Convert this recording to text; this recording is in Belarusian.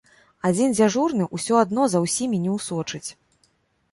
Адзін дзяжурны усё адно за ўсімі не ўсочыць.